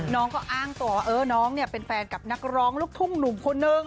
น้องก็อ้างตัวว่าน้องเนี่ยเป็นแฟนกับนักร้องลูกทุ่งหนุ่มคนนึง